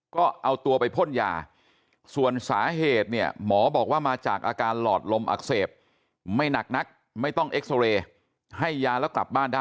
ก็เอาตัวไปพ่นยาส่วนสาเหตุเนี่ยหมอบอกว่ามาจากอาการหลอดลมอักเสบไม่หนักนัก